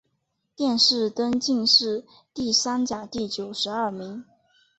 殿试登进士第三甲第九十二名。